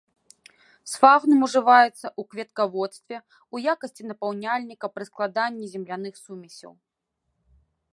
Сфагнум ўжываецца ў кветкаводстве ў якасці напаўняльніка пры складанні земляных сумесяў.